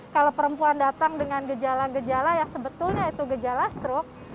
kalau perempuan datang dengan gejala gejala yang sebetulnya itu gejala stroke